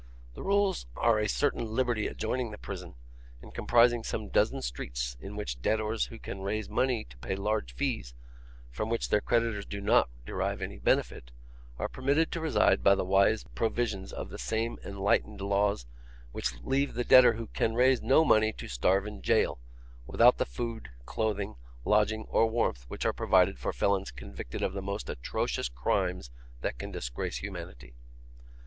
The Rules are a certain liberty adjoining the prison, and comprising some dozen streets in which debtors who can raise money to pay large fees, from which their creditors do NOT derive any benefit, are permitted to reside by the wise provisions of the same enlightened laws which leave the debtor who can raise no money to starve in jail, without the food, clothing, lodging, or warmth, which are provided for felons convicted of the most atrocious crimes that can disgrace humanity.